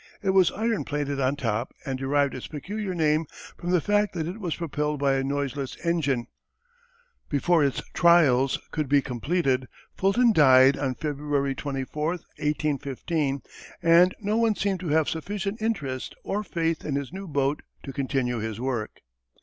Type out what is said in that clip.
It was iron plated on top and derived its peculiar name from the fact that it was propelled by a noiseless engine. Before its trials could be completed, Fulton died on February 24, 1815, and no one seemed to have sufficient interest or faith in his new boat to continue his work.